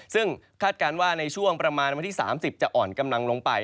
ซึ่งคาดการณ์ว่าในช่วงประมาณวันที่๓๐จะอ่อนกำลังลงไป